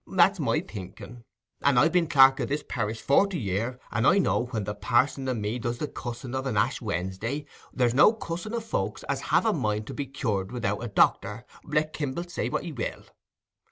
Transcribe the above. That's my thinking; and I've been clerk o' this parish forty year, and I know, when the parson and me does the cussing of a Ash Wednesday, there's no cussing o' folks as have a mind to be cured without a doctor, let Kimble say what he will.